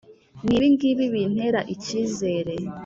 n’ibi ngibi bintera icyizere: